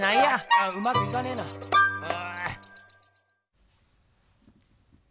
あっうまくいかねえなう。